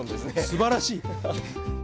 すばらしい！